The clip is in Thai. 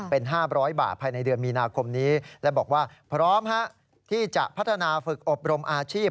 เป็น๕๐๐บาทภายในเดือนมีนาคมนี้และบอกว่าพร้อมที่จะพัฒนาฝึกอบรมอาชีพ